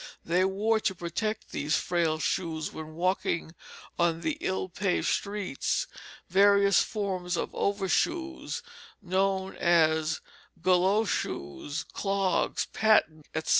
They wore to protect these frail shoes, when walking on the ill paved streets, various forms of overshoes, known as goloe shoes, clogs, pattens, etc.